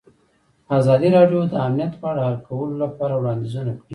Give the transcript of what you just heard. ازادي راډیو د امنیت په اړه د حل کولو لپاره وړاندیزونه کړي.